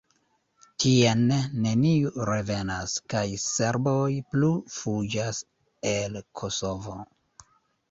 Tien neniu revenas, kaj serboj plu fuĝas el Kosovo.